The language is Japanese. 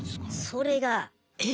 それが。